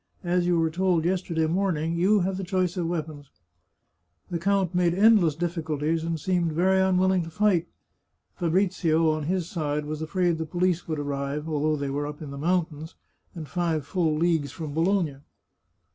As you were told yesterday morn ing, you have the choice of weapons." The count made endless difficulties, and seemed very unwilling to fight. Fa brizio, on his side, was afraid the police would arrive, although they were up in the mountains, and five full leagues from Bologna.